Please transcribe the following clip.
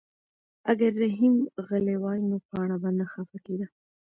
اگر رحیم غلی وای نو پاڼه به نه خفه کېده.